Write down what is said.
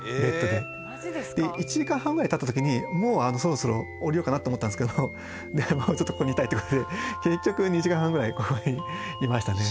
で１時間半ぐらいたった時にもうそろそろおりようかなと思ったんですけどでももうちょっとここにいたいってことで結局２時間半ぐらいここにいましたね。